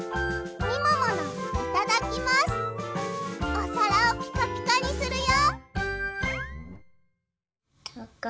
おさらをピカピカにするよ！